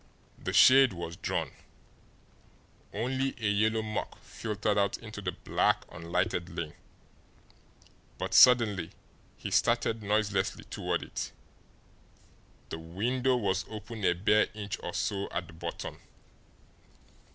The shade was drawn, only a yellow murk filtered out into the black, unlighted lane, but suddenly he started noiselessly toward it. The window was open a bare inch or so at the bottom!